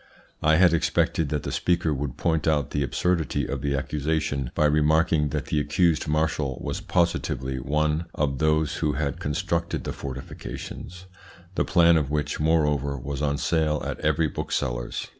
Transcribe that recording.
I had expected that the speaker would point out the absurdity of the accusation by remarking that the accused Marshal was positively one of those who had constructed the fortifications, the plan of which, moreover, was on sale at every booksellers.